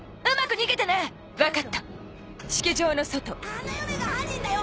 花嫁が犯人だよ！